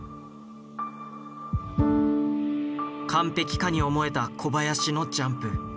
完璧かに思えた小林のジャンプ。